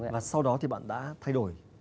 và sau đó thì bạn đã thay đổi